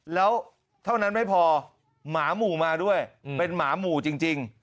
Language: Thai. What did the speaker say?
แล้วเท่านั้นไม่พอหมาหมู่มาด้วยเป็นหมาหมู่จริง